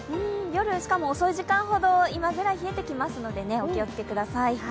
夜しかも遅い時間ほど今くらいひんやり冷えてきますのでお気を付けください。